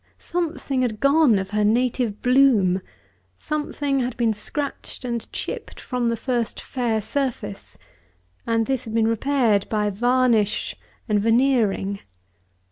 Something had gone of her native bloom, something had been scratched and chipped from the first fair surface, and this had been repaired by varnish and veneering.